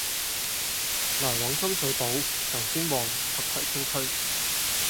來往深水埗、油尖旺及葵青區。